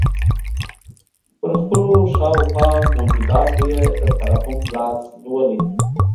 پر خپلو شاوخوا موجوداتو یې د ترحم لاس نیولی.